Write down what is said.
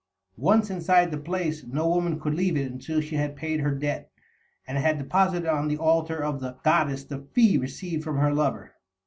Once inside the place, no woman could leave it until she had paid her debt, and had deposited on the altar of the goddess the fee received from her lover.